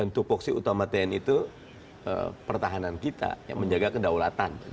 tupoksi utama tni itu pertahanan kita yang menjaga kedaulatan